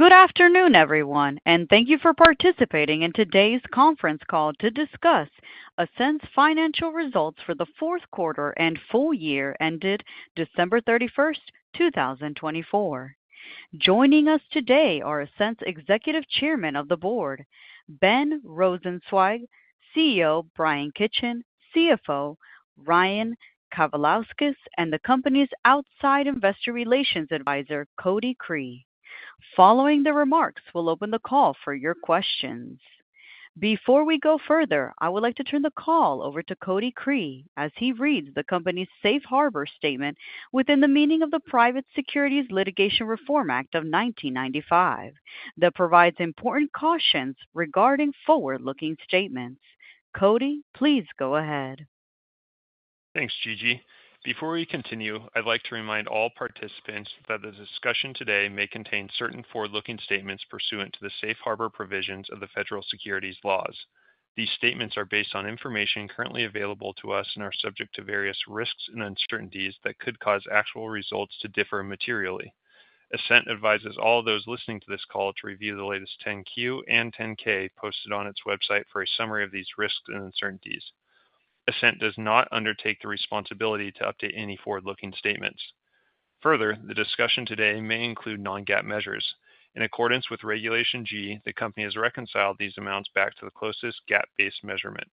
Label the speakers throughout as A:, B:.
A: Good afternoon, everyone, and thank you for participating in today's conference call to discuss Ascent's financial results for the fourth quarter and full year ended December 31, 2024. Joining us today are Ascent's Executive Chairman of the Board, Ben Rosenzweig, CEO Bryan Kitchen, CFO Ryan Kavalauskas, and the company's outside investor relations advisor, Cody Cree. Following the remarks, we'll open the call for your questions. Before we go further, I would like to turn the call over to Cody Cree as he reads the company's safe harbor statement within the meaning of the Private Securities Litigation Reform Act of 1995 that provides important cautions regarding forward-looking statements. Cody, please go ahead.
B: Thanks, Gigi. Before we continue, I'd like to remind all participants that the discussion today may contain certain forward-looking statements pursuant to the safe harbor provisions of the federal securities laws. These statements are based on information currently available to us and are subject to various risks and uncertainties that could cause actual results to differ materially. Ascent advises all those listening to this call to review the latest 10-Q and 10-K posted on its website for a summary of these risks and uncertainties. Ascent does not undertake the responsibility to update any forward-looking statements. Further, the discussion today may include non-GAAP measures. In accordance with Regulation G, the company has reconciled these amounts back to the closest GAAP-based measurement.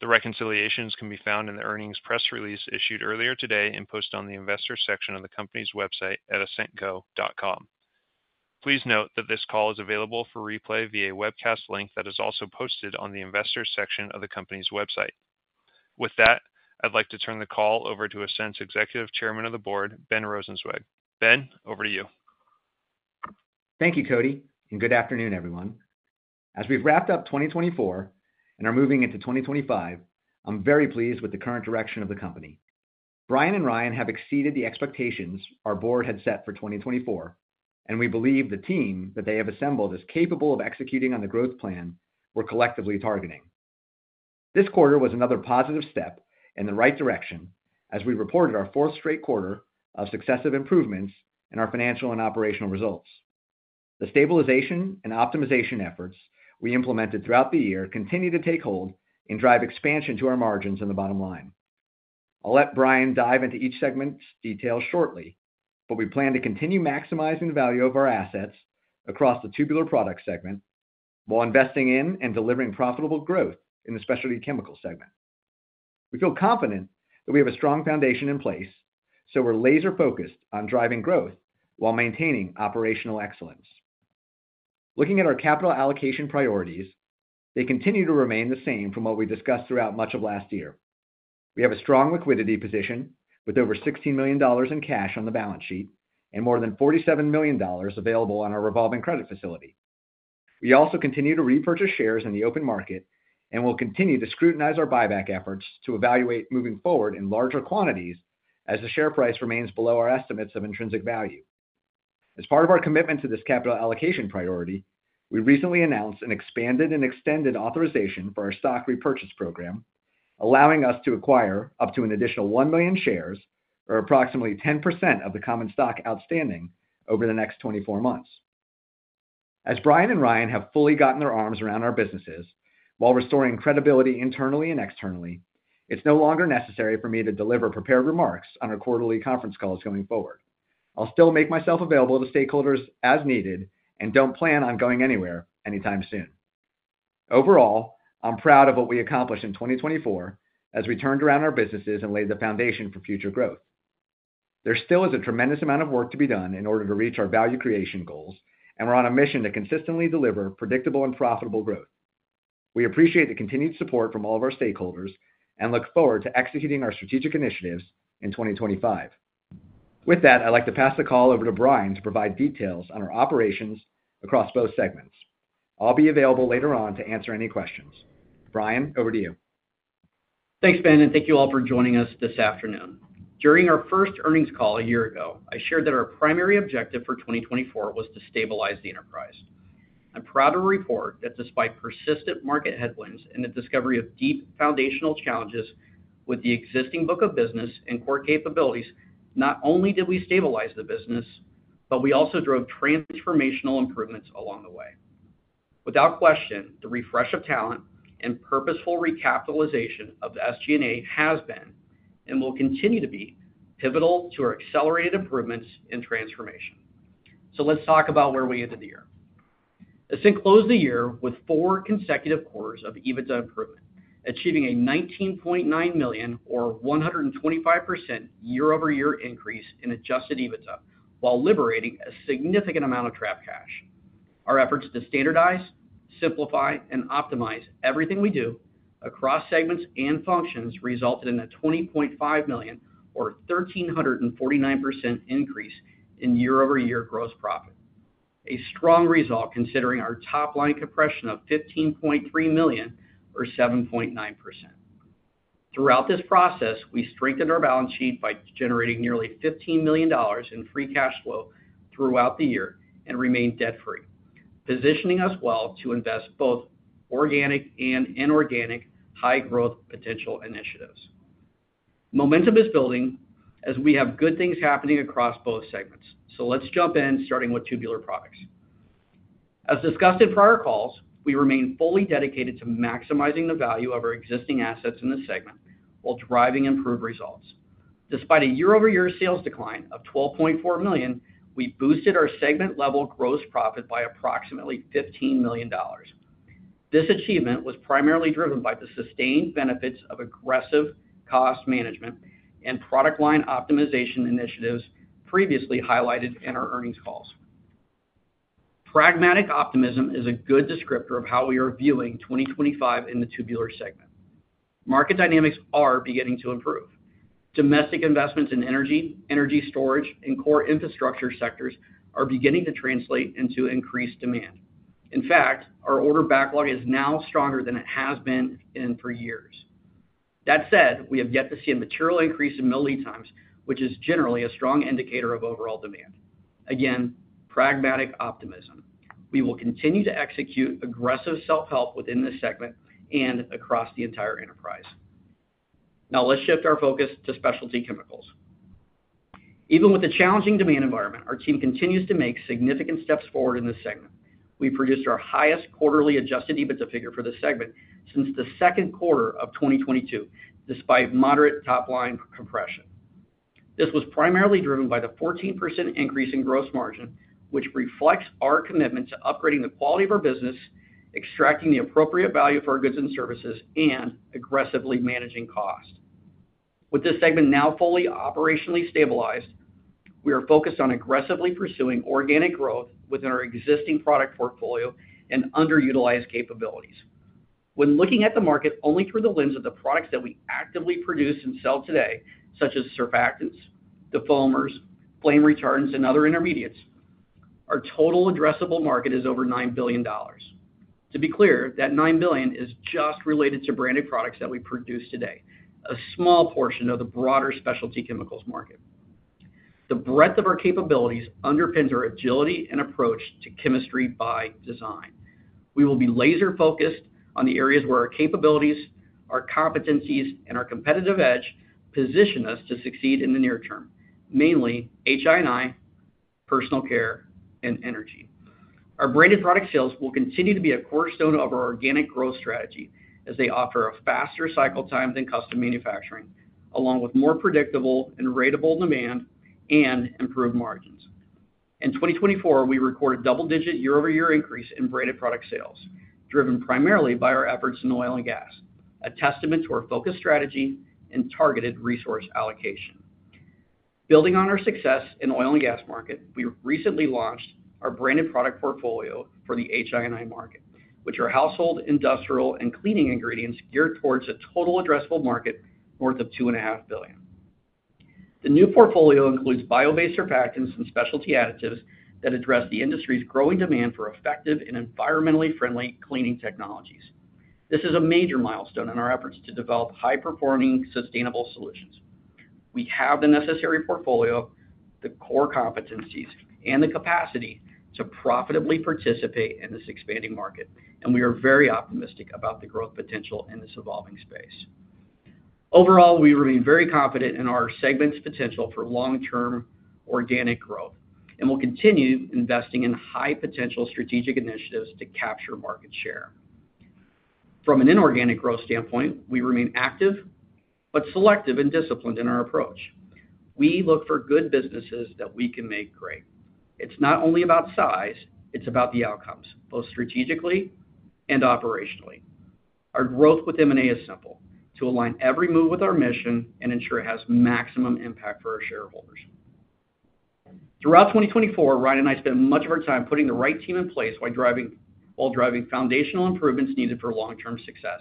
B: The reconciliations can be found in the earnings press release issued earlier today and posted on the investor section of the company's website at ascentco.com. Please note that this call is available for replay via a webcast link that is also posted on the investor section of the company's website. With that, I'd like to turn the call over to Ascent's Executive Chairman of the Board, Ben Rosenzweig. Ben, over to you.
C: Thank you, Cody, and good afternoon, everyone. As we've wrapped up 2024 and are moving into 2025, I'm very pleased with the current direction of the company. Bryan and Ryan have exceeded the expectations our board had set for 2024, and we believe the team that they have assembled is capable of executing on the growth plan we're collectively targeting. This quarter was another positive step in the right direction as we reported our fourth straight quarter of successive improvements in our financial and operational results. The stabilization and optimization efforts we implemented throughout the year continue to take hold and drive expansion to our margins and the bottom line. I'll let Bryan dive into each segment's details shortly, but we plan to continue maximizing the value of our assets across the Tubular Products segment while investing in and delivering profitable growth in the Specialty Chemicals segment. We feel confident that we have a strong foundation in place, so we're laser-focused on driving growth while maintaining operational excellence. Looking at our capital allocation priorities, they continue to remain the same from what we discussed throughout much of last year. We have a strong liquidity position with over $16 million in cash on the balance sheet and more than $47 million available on our revolving credit facility. We also continue to repurchase shares in the open market and will continue to scrutinize our buyback efforts to evaluate moving forward in larger quantities as the share price remains below our estimates of intrinsic value. As part of our commitment to this capital allocation priority, we recently announced an expanded and extended authorization for our stock repurchase program, allowing us to acquire up to an additional 1 million shares or approximately 10% of the common stock outstanding over the next 24 months. As Bryan and Ryan have fully gotten their arms around our businesses while restoring credibility internally and externally, it's no longer necessary for me to deliver prepared remarks on our quarterly conference calls going forward. I'll still make myself available to stakeholders as needed and don't plan on going anywhere anytime soon. Overall, I'm proud of what we accomplished in 2024 as we turned around our businesses and laid the foundation for future growth. There still is a tremendous amount of work to be done in order to reach our value creation goals, and we're on a mission to consistently deliver predictable and profitable growth. We appreciate the continued support from all of our stakeholders and look forward to executing our strategic initiatives in 2025. With that, I'd like to pass the call over to Bryan to provide details on our operations across both segments. I'll be available later on to answer any questions. Bryan, over to you.
D: Thanks, Ben, and thank you all for joining us this afternoon. During our first earnings call a year ago, I shared that our primary objective for 2024 was to stabilize the enterprise. I'm proud to report that despite persistent market headwinds and the discovery of deep foundational challenges with the existing book of business and core capabilities, not only did we stabilize the business, but we also drove transformational improvements along the way. Without question, the refresh of talent and purposeful recapitalization of the SG&A has been and will continue to be pivotal to our accelerated improvements and transformation. Let's talk about where we ended the year. Ascent closed the year with four consecutive quarters of EBITDA improvement, achieving a $19.9 million or 125% year-over-year increase in adjusted EBITDA while liberating a significant amount of trapped cash. Our efforts to standardize, simplify, and optimize everything we do across segments and functions resulted in a $20.5 million or 1,349% increase in year-over-year gross profit, a strong result considering our top-line compression of $15.3 million or 7.9%. Throughout this process, we strengthened our balance sheet by generating nearly $15 million in free cash flow throughout the year and remained debt-free, positioning us well to invest both organic and inorganic high-growth potential initiatives. Momentum is building as we have good things happening across both segments, so let's jump in starting with Tubular Products. As discussed in prior calls, we remain fully dedicated to maximizing the value of our existing assets in the segment while driving improved results. Despite a year-over-year sales decline of $12.4 million, we boosted our segment-level gross profit by approximately $15 million. This achievement was primarily driven by the sustained benefits of aggressive cost management and product line optimization initiatives previously highlighted in our earnings calls. Pragmatic optimism is a good descriptor of how we are viewing 2025 in the Tubular segment. Market dynamics are beginning to improve. Domestic investments in energy, energy storage, and core infrastructure sectors are beginning to translate into increased demand. In fact, our order backlog is now stronger than it has been for years. That said, we have yet to see a material increase in mill lead times, which is generally a strong indicator of overall demand. Again, pragmatic optimism. We will continue to execute aggressive self-help within this segment and across the entire enterprise. Now, let's shift our focus to Specialty Chemicals. Even with the challenging demand environment, our team continues to make significant steps forward in this segment. We produced our highest quarterly adjusted EBITDA figure for the segment since the second quarter of 2022, despite moderate top-line compression. This was primarily driven by the 14% increase in gross margin, which reflects our commitment to upgrading the quality of our business, extracting the appropriate value for our goods and services, and aggressively managing cost. With this segment now fully operationally stabilized, we are focused on aggressively pursuing organic growth within our existing product portfolio and underutilized capabilities. When looking at the market only through the lens of the products that we actively produce and sell today, such as surfactants, defoamers, flame retardants, and other intermediates, our total addressable market is over $9 billion. To be clear, that $9 billion is just related to branded products that we produce today, a small portion of the broaderSpecialty Chemicals market. The breadth of our capabilities underpins our agility and approach to chemistry by design. We will be laser-focused on the areas where our capabilities, our competencies, and our competitive edge position us to succeed in the near term, mainly HI&I, personal care, and energy. Our branded product sales will continue to be a cornerstone of our organic growth strategy as they offer a faster cycle time than custom manufacturing, along with more predictable and rateable demand and improved margins. In 2024, we recorded a double-digit year-over-year increase in branded product sales, driven primarily by our efforts in oil and gas, a testament to our focused strategy and targeted resource allocation. Building on our success in the oil and gas market, we recently launched our branded product portfolio for the HI&I market, which are household, industrial, and cleaning ingredients geared towards a total addressable market north of $2.5 billion. The new portfolio includes bio-based surfactants and specialty additives that address the industry's growing demand for effective and environmentally friendly cleaning technologies. This is a major milestone in our efforts to develop high-performing, sustainable solutions. We have the necessary portfolio, the core competencies, and the capacity to profitably participate in this expanding market, and we are very optimistic about the growth potential in this evolving space. Overall, we remain very confident in our segment's potential for long-term organic growth and will continue investing in high-potential strategic initiatives to capture market share. From an inorganic growth standpoint, we remain active but selective and disciplined in our approach. We look for good businesses that we can make great. It's not only about size; it's about the outcomes, both strategically and operationally. Our growth with M&A is simple: to align every move with our mission and ensure it has maximum impact for our shareholders. Throughout 2024, Ryan and I spent much of our time putting the right team in place while driving foundational improvements needed for long-term success.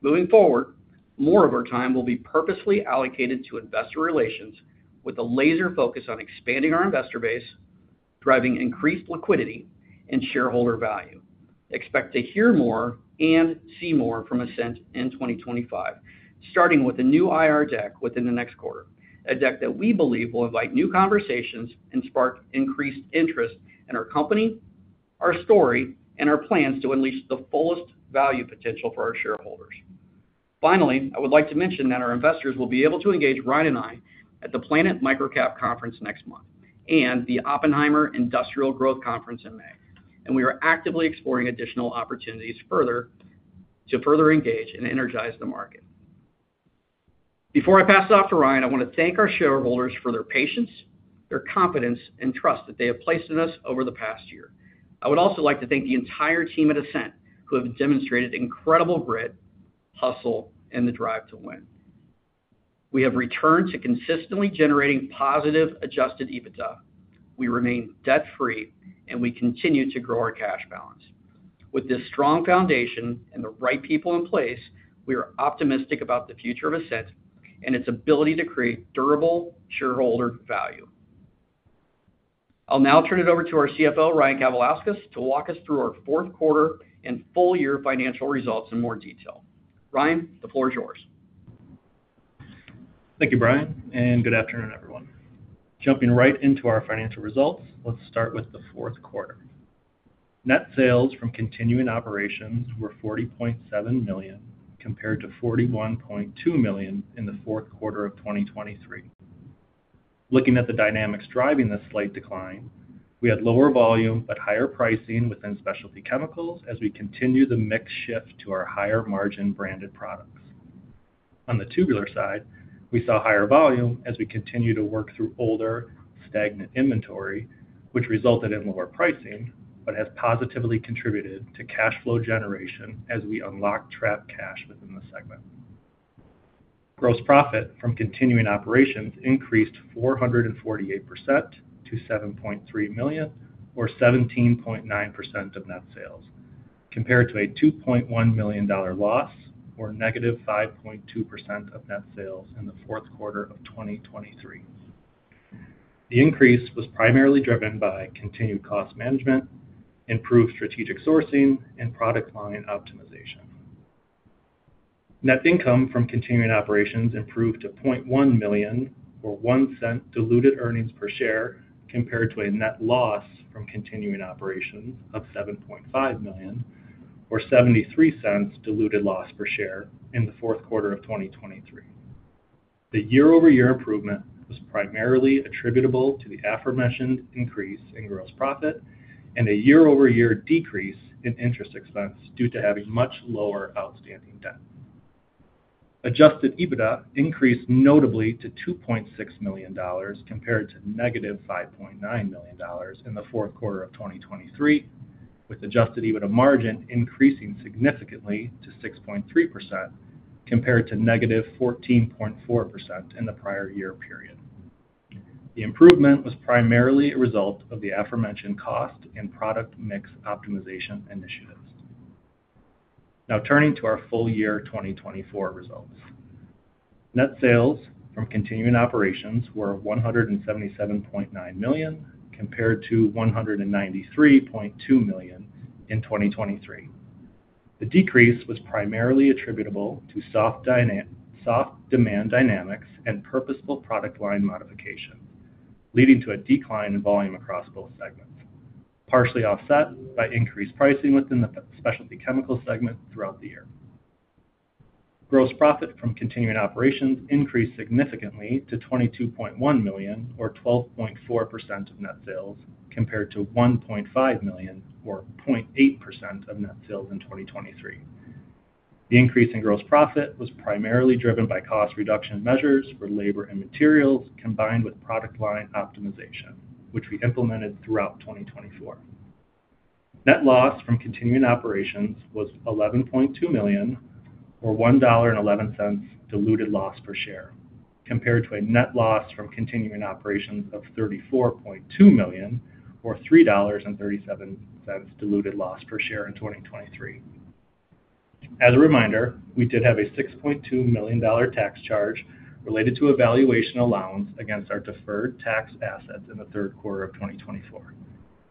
D: Moving forward, more of our time will be purposely allocated to investor relations with a laser focus on expanding our investor base, driving increased liquidity, and shareholder value. Expect to hear more and see more from Ascent in 2025, starting with a new IR deck within the next quarter, a deck that we believe will invite new conversations and spark increased interest in our company, our story, and our plans to unleash the fullest value potential for our shareholders. Finally, I would like to mention that our investors will be able to engage Ryan and I at the Planet MicroCap Conference next month and the Oppenheimer Industrial Growth Conference in May, and we are actively exploring additional opportunities to further engage and energize the market. Before I pass it off to Ryan, I want to thank our shareholders for their patience, their confidence, and trust that they have placed in us over the past year. I would also like to thank the entire team at Ascent who have demonstrated incredible grit, hustle, and the drive to win. We have returned to consistently generating positive adjusted EBITDA. We remain debt-free, and we continue to grow our cash balance. With this strong foundation and the right people in place, we are optimistic about the future of Ascent and its ability to create durable shareholder value. I'll now turn it over to our CFO, Ryan Kavalauskas, to walk us through our fourth quarter and full-year financial results in more detail. Ryan, the floor is yours.
E: Thank you, Bryan, and good afternoon, everyone. Jumping right into our financial results, let's start with the fourth quarter. Net sales from continuing operations were $40.7 million compared to $41.2 million in the fourth quarter of 2023. Looking at the dynamics driving this slight decline, we had lower volume but higher pricing within Specialty Chemicals as we continue the mix shift to our higher-margin branded products. On the Tubular side, we saw higher volume as we continued to work through older, stagnant inventory, which resulted in lower pricing but has positively contributed to cash flow generation as we unlock trapped cash within the segment. Gross profit from continuing operations increased 448% to $7.3 million or 17.9% of net sales, compared to a $2.1 million loss or negative 5.2% of net sales in the fourth quarter of 2023. The increase was primarily driven by continued cost management, improved strategic sourcing, and product line optimization. Net income from continuing operations improved to $0.1 million or $0.01 diluted earnings per share compared to a net loss from continuing operations of $7.5 million or $0.73 diluted loss per share in the fourth quarter of 2023. The year-over-year improvement was primarily attributable to the aforementioned increase in gross profit and a year-over-year decrease in interest expense due to having much lower outstanding debt. Adjusted EBITDA increased notably to $2.6 million compared to negative $5.9 million in the fourth quarter of 2023, with adjusted EBITDA margin increasing significantly to 6.3% compared to negative 14.4% in the prior year period. The improvement was primarily a result of the aforementioned cost and product mix optimization initiatives. Now, turning to our full-year 2024 results, net sales from continuing operations were $177.9 million compared to $193.2 million in 2023. The decrease was primarily attributable to soft demand dynamics and purposeful product line modification, leading to a decline in volume across both segments, partially offset by increased pricing within the Specialty Chemicals segment throughout the year. Gross profit from continuing operations increased significantly to $22.1 million or 12.4% of net sales compared to $1.5 million or 0.8% of net sales in 2023. The increase in gross profit was primarily driven by cost reduction measures for labor and materials combined with product line optimization, which we implemented throughout 2024. Net loss from continuing operations was $11.2 million or $1.11 diluted loss per share compared to a net loss from continuing operations of $34.2 million or $3.37 diluted loss per share in 2023. As a reminder, we did have a $6.2 million tax charge related to a valuation allowance against our deferred tax assets in the third quarter of 2024.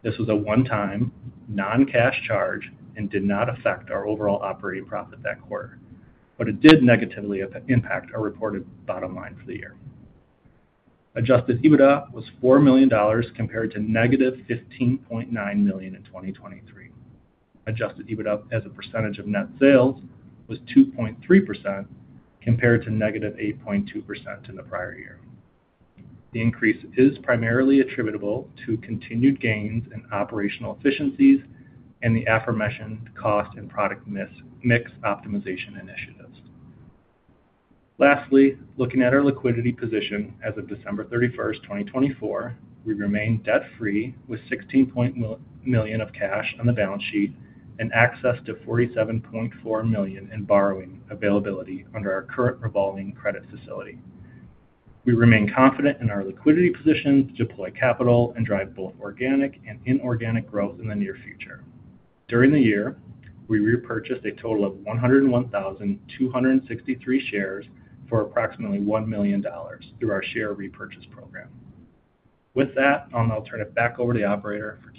E: This was a one-time, non-cash charge and did not affect our overall operating profit that quarter, but it did negatively impact our reported bottom line for the year. Adjusted EBITDA was $4 million compared to negative $15.9 million in 2023. Adjusted EBITDA as a percentage of net sales was 2.3% compared to negative 8.2% in the prior year. The increase is primarily attributable to continued gains in operational efficiencies and the aforementioned cost and product mix optimization initiatives. Lastly, looking at our liquidity position as of December 31, 2024, we remain debt-free with $16.1 million of cash on the balance sheet and access to $47.4 million in borrowing availability under our current revolving credit facility. We remain confident in our liquidity position to deploy capital and drive both organic and inorganic growth in the near future. During the year, we repurchased a total of 101,263 shares for approximately $1 million through our share repurchase program. With that, I'll now turn it back over to the operator for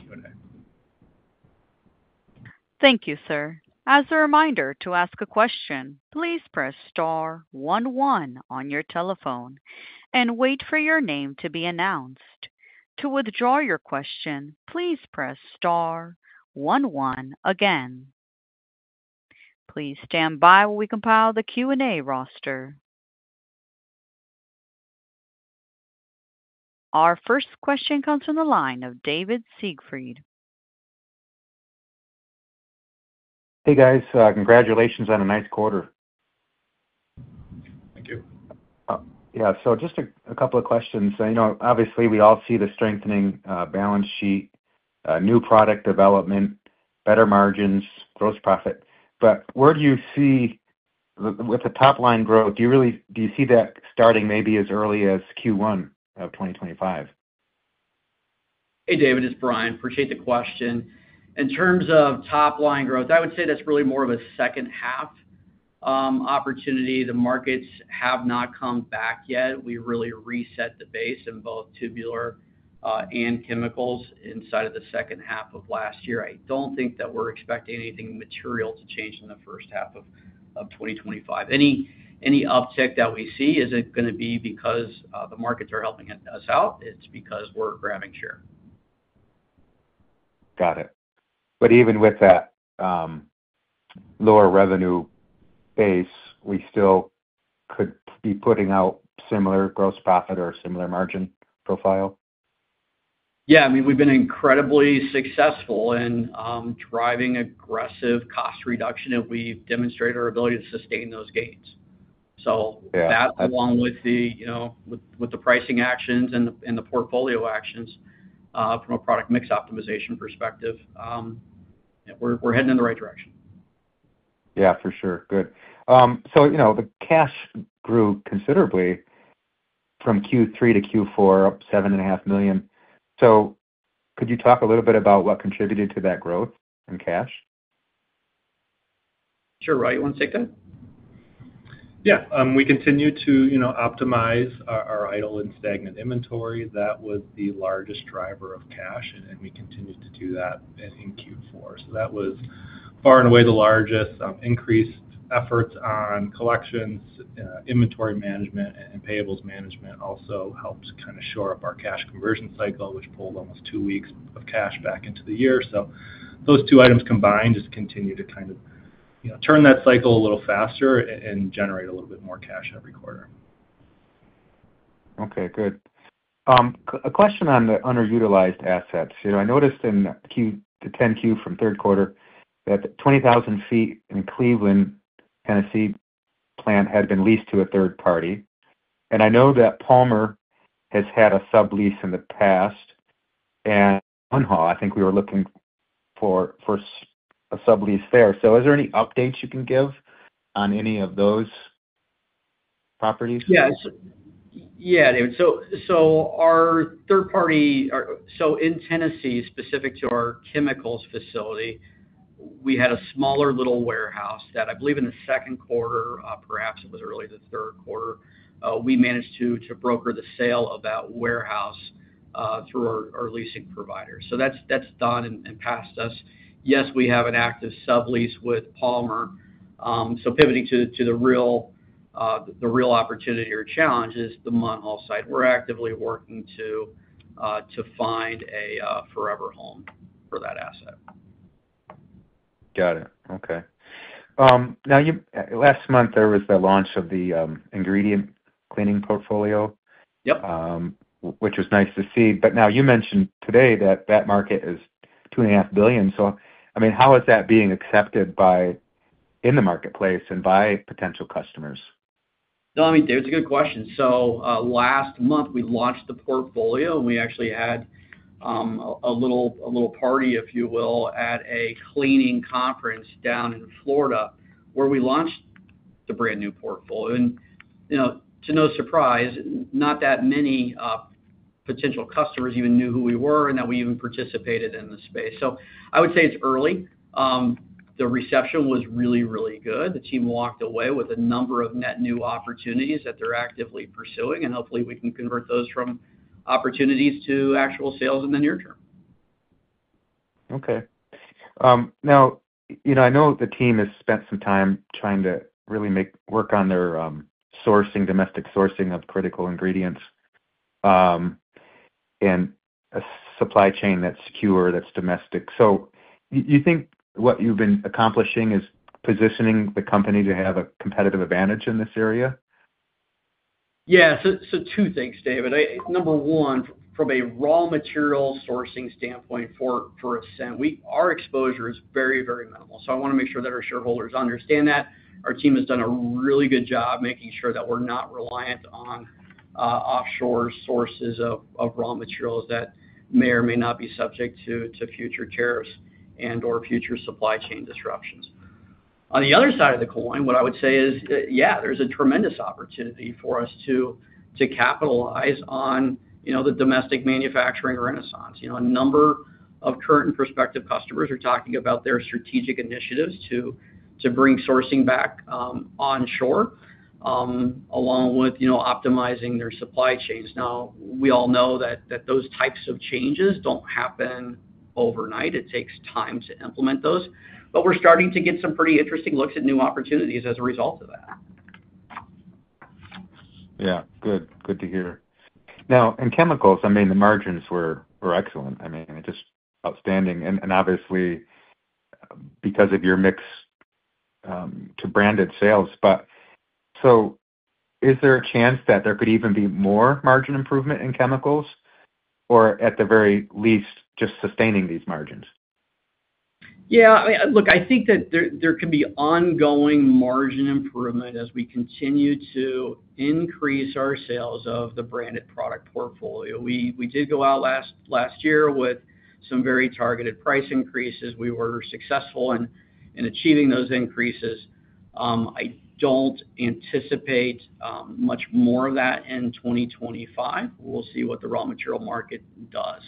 E: Q&A.
A: Thank you, sir. As a reminder to ask a question, please press star 11 on your telephone and wait for your name to be announced. To withdraw your question, please press star 11 again. Please stand by while we compile the Q&A roster. Our first question comes from the line of David Siegfried.
F: Hey, guys. Congratulations on a nice quarter.
E: Thank you.
F: Yeah, so just a couple of questions. Obviously, we all see the strengthening balance sheet, new product development, better margins, gross profit. Where do you see with the top-line growth? Do you see that starting maybe as early as Q1 of 2025?
D: Hey, David, it's Bryan. Appreciate the question. In terms of top-line growth, I would say that's really more of a second-half opportunity. The markets have not come back yet. We really reset the base in both Tubular and chemicals inside of the second half of last year. I don't think that we're expecting anything material to change in the first half of 2025. Any uptick that we see isn't going to be because the markets are helping us out. It's because we're grabbing share.
F: Got it. Even with that lower revenue base, we still could be putting out similar gross profit or similar margin profile?
D: Yeah, I mean, we've been incredibly successful in driving aggressive cost reduction, and we've demonstrated our ability to sustain those gains. That, along with the pricing actions and the portfolio actions from a product mix optimization perspective, we're heading in the right direction.
F: Yeah, for sure. Good. The cash grew considerably from Q3 to Q4, $7.5 million. Could you talk a little bit about what contributed to that growth in cash?
D: Sure, Ryan. You want to take that?
E: Yeah. We continue to optimize our idle and stagnant inventory. That was the largest driver of cash, and we continued to do that in Q4. That was far and away the largest. Increased efforts on collections, inventory management, and payables management also helped kind of shore up our cash conversion cycle, which pulled almost two weeks of cash back into the year. Those two items combined just continue to kind of turn that cycle a little faster and generate a little bit more cash every quarter.
F: Okay, good. A question on the underutilized assets. I noticed in the 10-Q from third quarter that the 20,000 sq ft in Cleveland, Tennessee plant had been leased to a third party. I know that Palmer has had a sublease in the past, and Munhall, I think we were looking for a sublease there. Is there any updates you can give on any of those properties?
D: Yes. Yeah, David. So our third party, so in Tennessee, specific to our chemicals facility, we had a smaller little warehouse that I believe in the second quarter, perhaps it was early the third quarter, we managed to broker the sale of that warehouse through our leasing provider. So that's done and past us. Yes, we have an active sublease with Palmer. Pivoting to the real opportunity or challenge is the Munhall site. We're actively working to find a forever home for that asset.
F: Got it. Okay. Now, last month, there was the launch of the Ingredient Cleaning portfolio, which was nice to see. I mean, now you mentioned today that that market is $2.5 billion. I mean, how is that being accepted in the marketplace and by potential customers?
D: No, I mean, David, it's a good question. Last month, we launched the portfolio, and we actually had a little party, if you will, at a cleaning conference down in Florida where we launched the brand new portfolio. To no surprise, not that many potential customers even knew who we were and that we even participated in the space. I would say it's early. The reception was really, really good. The team walked away with a number of net new opportunities that they're actively pursuing, and hopefully, we can convert those from opportunities to actual sales in the near term.
F: Okay. Now, I know the team has spent some time trying to really work on their domestic sourcing of critical ingredients and a supply chain that's secure, that's domestic. Do you think what you've been accomplishing is positioning the company to have a competitive advantage in this area?
D: Yeah. Two things, David. Number one, from a raw material sourcing standpoint for Ascent, our exposure is very, very minimal. I want to make sure that our shareholders understand that. Our team has done a really good job making sure that we're not reliant on offshore sources of raw materials that may or may not be subject to future tariffs and/or future supply chain disruptions. On the other side of the coin, what I would say is, yeah, there's a tremendous opportunity for us to capitalize on the domestic manufacturing renaissance. A number of current and prospective customers are talking about their strategic initiatives to bring sourcing back onshore along with optimizing their supply chains. Now, we all know that those types of changes do not happen overnight. It takes time to implement those. We're starting to get some pretty interesting looks at new opportunities as a result of that.
F: Yeah. Good. Good to hear. Now, in chemicals, I mean, the margins were excellent. I mean, just outstanding. Obviously, because of your mix to branded sales. Is there a chance that there could even be more margin improvement in chemicals or, at the very least, just sustaining these margins?
D: Yeah. I mean, look, I think that there can be ongoing margin improvement as we continue to increase our sales of the branded product portfolio. We did go out last year with some very targeted price increases. We were successful in achieving those increases. I don't anticipate much more of that in 2025. We'll see what the raw material market does.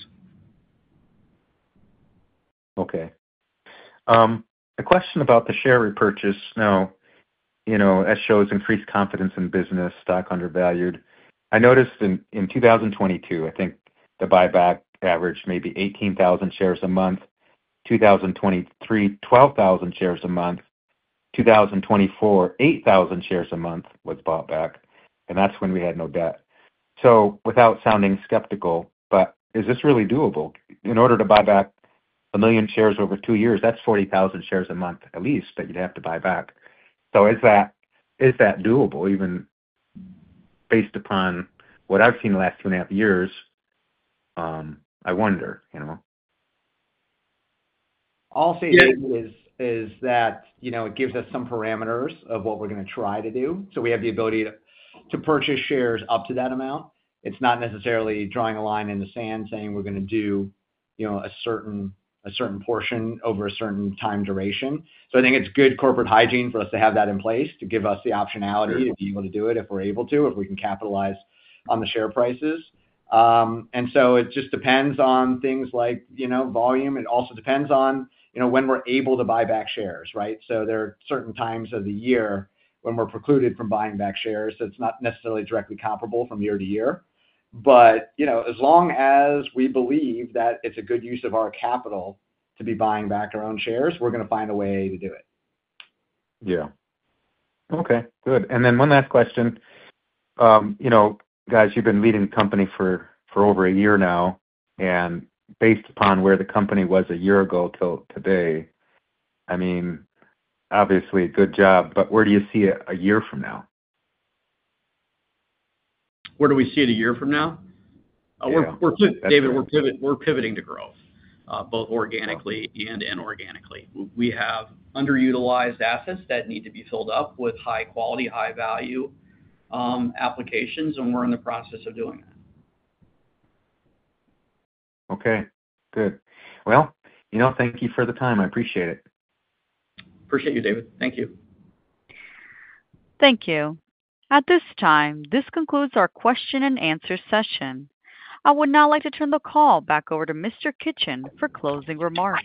F: Okay. A question about the share repurchase. Now, as shows increased confidence in business, stock undervalued. I noticed in 2022, I think the buyback averaged maybe 18,000 shares a month. 2023, 12,000 shares a month. 2024, 8,000 shares a month was bought back. And that's when we had no debt. Without sounding skeptical, but is this really doable? In order to buy back a million shares over two years, that's 40,000 shares a month at least that you'd have to buy back. Is that doable? Even based upon what I've seen the last two and a half years, I wonder.
D: All I'll say is that it gives us some parameters of what we're going to try to do. We have the ability to purchase shares up to that amount. It's not necessarily drawing a line in the sand saying we're going to do a certain portion over a certain time duration. I think it's good corporate hygiene for us to have that in place to give us the optionality to be able to do it if we're able to, if we can capitalize on the share prices. It just depends on things like volume. It also depends on when we're able to buy back shares, right? There are certain times of the year when we're precluded from buying back shares. It's not necessarily directly comparable from year to year. As long as we believe that it's a good use of our capital to be buying back our own shares, we're going to find a way to do it.
F: Yeah. Okay. Good. One last question. Guys, you've been leading the company for over a year now. Based upon where the company was a year ago till today, I mean, obviously, good job. Where do you see it a year from now?
D: Where do we see it a year from now? David, we're pivoting to growth, both organically and inorganically. We have underutilized assets that need to be filled up with high-quality, high-value applications, and we're in the process of doing that.
F: Okay. Good. Thank you for the time. I appreciate it.
D: Appreciate you, David. Thank you.
A: Thank you. At this time, this concludes our question-and-answer session. I would now like to turn the call back over to Mr. Kitchen for closing remarks.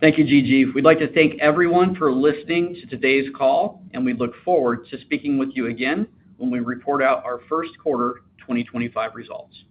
D: Thank you, Gigi. We'd like to thank everyone for listening to today's call, and we look forward to speaking with you again when we report out our first quarter 2025 results.